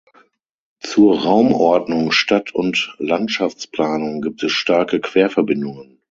Zur Raumordnung, Stadt- und Landschaftsplanung gibt es starke Querverbindungen.